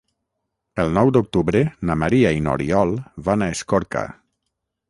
El nou d'octubre na Maria i n'Oriol van a Escorca.